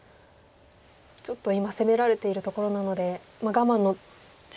ちょっと今攻められているところなので我慢の時間でもありますか。